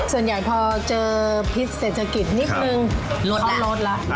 ส่วนใหญ่พอเจอพิษเศรษฐกิจนิดนึงลดแล้ว